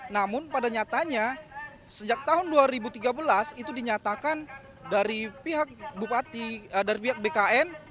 namun pada nyatanya sejak tahun dua ribu tiga belas itu dinyatakan dari pihak dari pihak bkn